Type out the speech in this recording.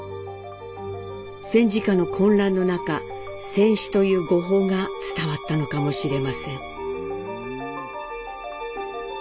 戦時下の混乱の中「戦死」という誤報が伝わったのかもしれません。